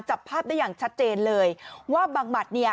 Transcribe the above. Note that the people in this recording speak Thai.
จับภาพได้อย่างชัดเจนเลยว่าบังหมัดเนี่ย